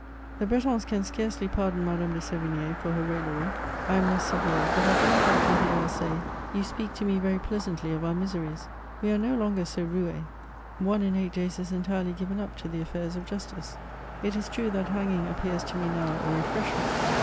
The Bretons can scarcely pardon Madame de Sevigne for her raillery ; I am less severe^ but 1 do not like to hear her say, '^ You speak to me very pleasantly of our miseries ; we are no longer so roues ; one in eight days is entirely given up to the affisiirs of justice. It is true that hanging appears to me now a refireshment."